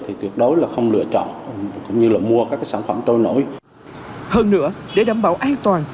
thì tuyệt đối là không lựa chọn cũng như là mua các sản phẩm trôi nổi hơn nữa để đảm bảo an toàn